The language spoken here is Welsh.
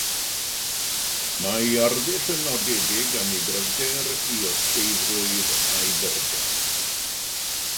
Mae ei arddull yn nodedig am ei gryfder, ei osgeiddrwydd a'i burdeb.